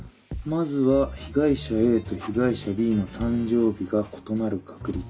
まずは被害者Ａと被害者Ｂの誕生日が異なる確率。